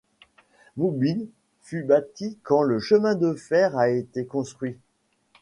Moonbeam fut bâti quand le chemin de fer a été construit.